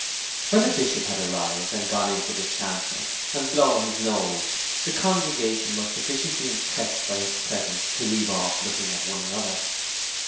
When the Bishop had arrived and gone into the chancel, and blown his nose, the congregation were sufficiently impressed by his presence to leave off looking at one another.